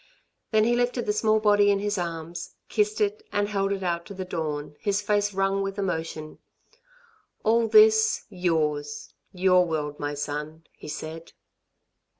Then he lifted the small body in his arms, kissed it, and held it out to the dawn, his face wrung with emotion. "All this, yours your world, my son!" he said.